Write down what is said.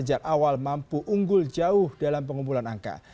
sejak awal mampu unggul jauh dalam pengumpulan angka